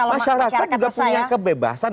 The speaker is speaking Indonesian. masyarakat juga punya kebebasan